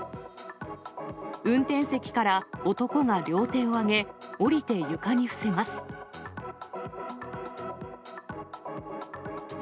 運転席から男が両手を挙げ、降りて床に伏せます。